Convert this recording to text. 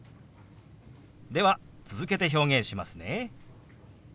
では続けて表現しますね。